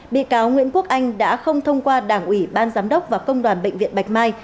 bị cáo nguyễn quốc anh đã không thông qua đảng ủy ban giám đốc và công đoàn bệnh viện bạch mai